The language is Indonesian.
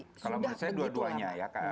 kalau menurut saya dua duanya ya